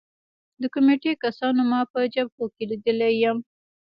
د کمېټې کسانو ما په جبهو کې لیدلی یم